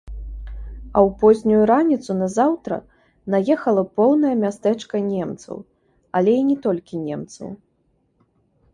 А ў познюю раніцу назаўтра наехала поўнае мястэчка немцаў, але і не толькі немцаў.